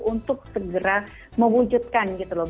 untuk segera mewujudkan gitu loh